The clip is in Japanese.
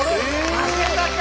負けたか。